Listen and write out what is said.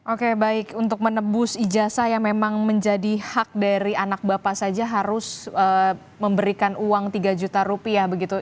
oke baik untuk menebus ijazah yang memang menjadi hak dari anak bapak saja harus memberikan uang tiga juta rupiah begitu